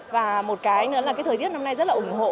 và một cái nữa là cái thời tiết năm nay rất là ủng hộ